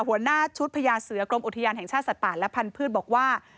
หัวหน้าชุดพญาเสือกรมอุทยานแห่งชาติสัตว์ป่าและพันธุ์บอกว่า